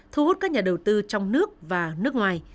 thu hút các nhà đầu tư trong nước và nước ngoài